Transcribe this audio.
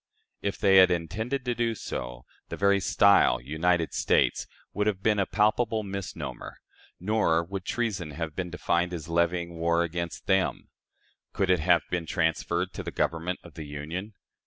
If they had intended to do so, the very style, "United States," would have been a palpable misnomer, nor would treason have been defined as levying war against them. Could it have been transferred to the Government of the Union?